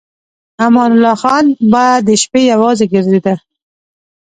امان الله خان به د شپې یوازې ګرځېده.